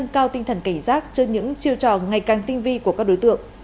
cao tinh thần cảnh giác trước những chiêu trò ngày càng tinh vi của các đối tượng